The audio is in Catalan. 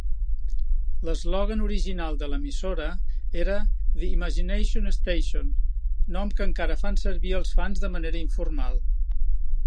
L'eslògan original de l'emissora era "The Imagination Station", nom que encara fan servir els fans de manera informal.